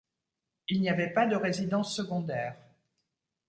Il n’y avait pas de résidences secondaires.